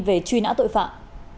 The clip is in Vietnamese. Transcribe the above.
về truy nã tội phạm